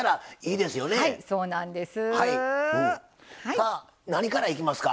さあ何からいきますか？